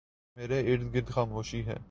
میرے اردگرد خاموشی ہے ۔